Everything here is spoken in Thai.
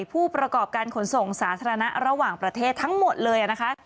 ผู้ประกอบการขนส่งสาธารณะระหว่างประเทศทั้งหมดเลยนะคะ